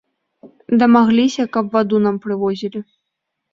Дамагліся, каб ваду нам прывозілі.